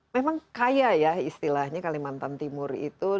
memang kaya ya istilahnya kalimantan timur itu